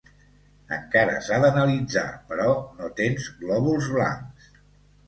Encara s'ha d'analitzar, però no tens glòbuls blancs.